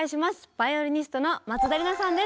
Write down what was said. バイオリニストの松田理奈さんです。